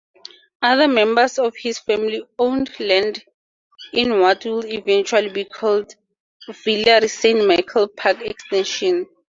Other members of his family owned land in what would eventually be called Villeray-Saint-Michel-Parc-Extension.